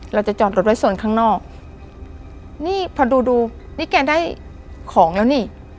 เราจะจอดรถไว้ส่วนข้างนอกนี่พอดูดูนี่แกได้ของแล้วนี่